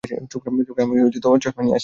ছোকরা, আমি চশমা নিয়ে আসিনি।